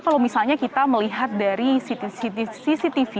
kalau misalnya kita melihat dari cctv